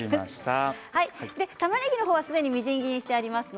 たまねぎの方はすでにみじん切りにしてあります。